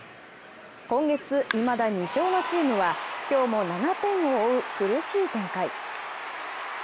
今月いまだ２勝のチームは今日も７点を追う苦しい展開。